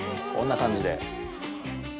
こんな感じで。